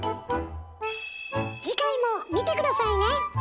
次回も見て下さいね！